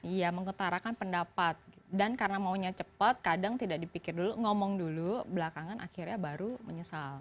iya mengutarakan pendapat dan karena maunya cepat kadang tidak dipikir dulu ngomong dulu belakangan akhirnya baru menyesal